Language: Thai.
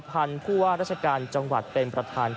ผ่านของพวกราชการจังหวัดเป็นประธาน